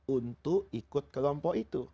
untuk ikut kelompok itu